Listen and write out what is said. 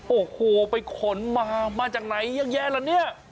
โอ้โหไปขนมามาจากไหนเยอะแยะละเนี่ย